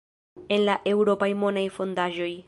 en la eŭropaj monaj fondaĵoj.